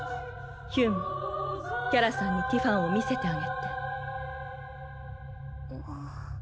ヒュンキャラさんにティファンを見せてあげて。